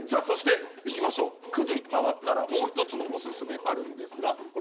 ９時を回ったらもう１つのおすすめがあります。